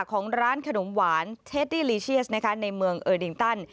ของร้านขนมหวานเทสต์ดีลิเชียสในเมืองเออร์ดิงตัน